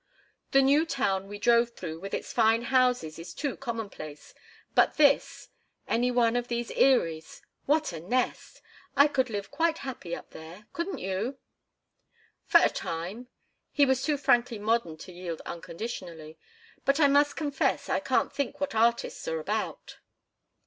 "The new town we drove through with its fine houses is too commonplace; but this—any one of these eyries—what a nest! I could live quite happy up there, couldn't you?" "For a time." He was too frankly modern to yield unconditionally. "But I must confess I can't think what artists are about."